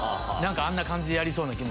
あんな感じでやりそう。